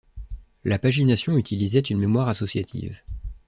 La pagination utilisait une mémoire associative.